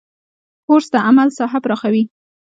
کورس د عمل ساحه پراخوي.